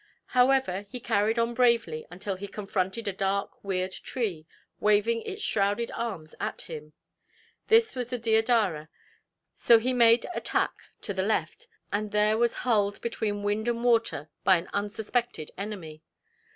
However, he carried on bravely, until he confronted a dark, weird tree, waving its shrouded arms at him. This was the deodara; so he made a tack to the left, and there was hulled between wind and water by an unsuspected enemy.